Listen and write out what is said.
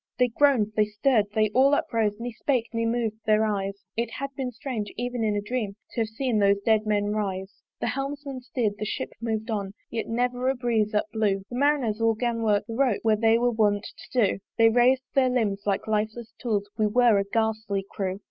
They groan'd, they stirr'd, they all uprose, Ne spake, ne mov'd their eyes: It had been strange, even in a dream To have seen those dead men rise. The helmsman steerd, the ship mov'd on; Yet never a breeze up blew; The Marineres all 'gan work the ropes, Where they were wont to do: They rais'd their limbs like lifeless tools We were a ghastly crew.